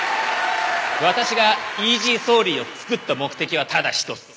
「私がイージーソーリーを作った目的はただ一つ」